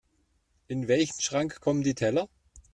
In welchen Schrank kommen die Teller?